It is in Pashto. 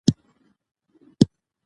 عدالت د ټولنیز توازن ساتلو وسیله ده.